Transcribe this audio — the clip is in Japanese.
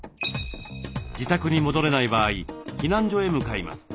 自宅に戻れない場合避難所へ向かいます。